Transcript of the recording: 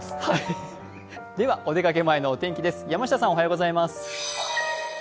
お出かけ前のお天気です。